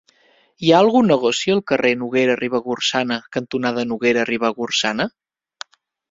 Hi ha algun negoci al carrer Noguera Ribagorçana cantonada Noguera Ribagorçana?